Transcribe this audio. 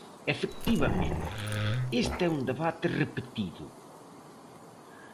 Efectivamente, este é un debate repetido.